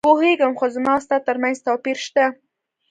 پوهېږم، خو زما او ستا ترمنځ توپیر شته.